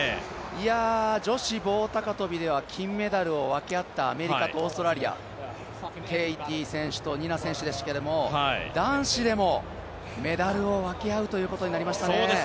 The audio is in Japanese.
女子棒高跳では金メダルを分け合ったアメリカとオーストラリア、ケイティ選手とニナ選手でしたけども男子でもメダルを分け合うということになりましたね。